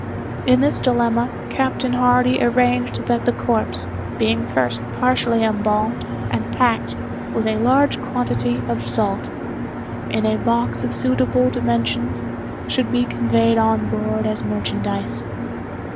In this dilemma, Captain Hardy arranged that the corpse, being first partially embalmed, and packed, with a large quantity of salt, in a box of suitable dimensions, should be conveyed on board as merchandise.